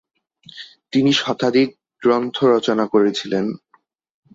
তিনি শতাধিক গ্রন্থ রচনা করেছিলেন।